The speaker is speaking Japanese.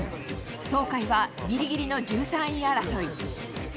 東海はぎりぎりの１３位争い。